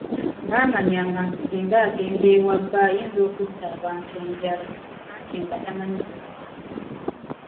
Baamanyanga nti singa agenda ewa bba ayinza okussa abantu enjala, anti nga tamanyi kulima.